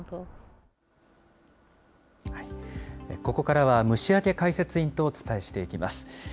ここからは虫明解説委員とお伝えしていきます。